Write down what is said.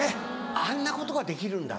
あんなことができるんだ！